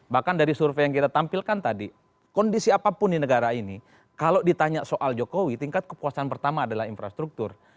bahkan dari survei yang kita tampilkan tadi kondisi apapun di negara ini kalau ditanya soal jokowi tingkat kepuasan pertama adalah infrastruktur